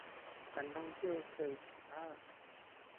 การท่องเที่ยวเชิงสุขภาพ